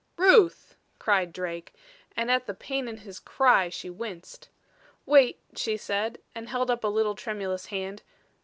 "Ruth!" cried Drake, and at the pain in his cry she winced. "Wait," she said, and held up a little, tremulous hand.